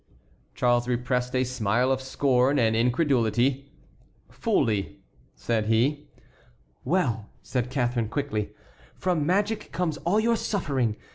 Charles repressed a smile of scorn and incredulity. "Fully," said he. "Well," said Catharine, quickly, "from magic comes all your suffering.